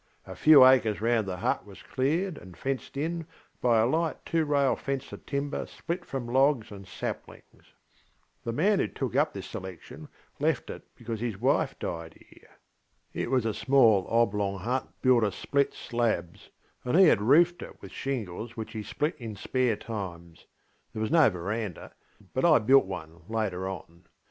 A few acres round the hut was cleared and fenced in by a light two rail fence of timber split from logs and saplings. The man who took up this selection left it because his wife died here. It was a small oblong hut built of split slabs, and he had roofed it with shingles which he split in spare times. There was no verandah, but I built one later on.